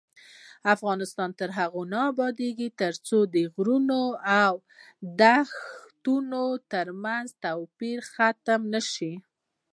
افغانستان تر هغو نه ابادیږي، ترڅو د غرونو او دښتو ترمنځ توپیرونه ختم نشي.